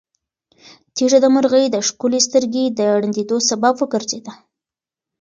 تیږه د مرغۍ د ښکلې سترګې د ړندېدو سبب وګرځېده.